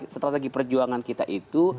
strategi perjuangan kita itu